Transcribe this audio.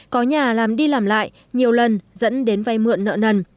có nhà làm đi làm lại nhiều lần dẫn đến vay mượn nợ nần